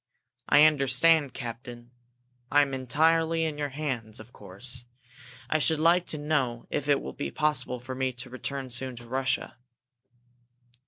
"I understand, captain. I am entirely in your hands, of course. I should like to know if it will be possible for me to return soon to Russia?"